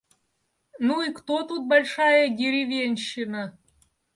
«Ну и кто тут большая деревенщина?»